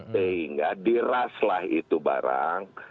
sehingga diraslah itu barang